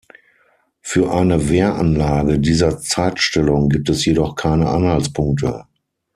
Für eine Wehranlage dieser Zeitstellung gibt es jedoch keine Anhaltspunkte.